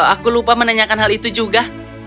aku lupa menanyakan hal itu juga